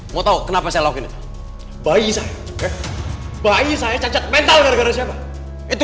mau tahu kenapa saya love ini bayi saya bayi saya cacat mental gara gara siapa itu